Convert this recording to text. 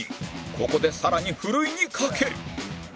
ここでさらにふるいにかける